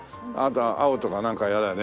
青とかなんかやればね。